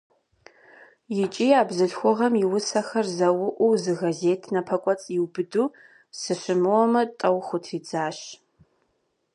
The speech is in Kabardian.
ИкӀи а бзылъхугъэм и усэхэр зэуӀуу, зы газет напэкӀуэцӀ иубыду, сыщымыуэмэ, тӀэу хутридзащ.